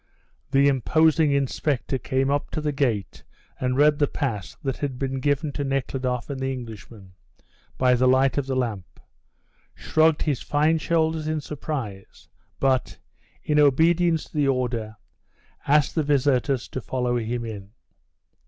The imposing inspector came up to the gate and read the pass that had been given to Nekhludoff and the Englishman by the light of the lamp, shrugged his fine shoulders in surprise, but, in obedience to the order, asked the visitors to follow him in.